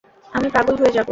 আমি পাগল হয়ে যাব।